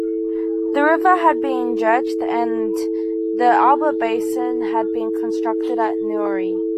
The river had been dredged, and the Albert Basin had been constructed at Newry.